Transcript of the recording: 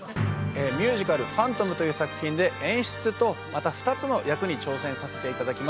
ミュージカル「ファントム」という作品で演出とまた２つの役に挑戦させていただきます